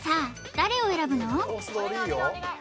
誰を選ぶの？